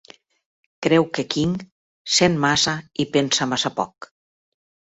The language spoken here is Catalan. Creu que King "sent massa i pensa massa poc".